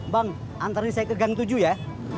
bang antar ini saya ke gang tujuh ya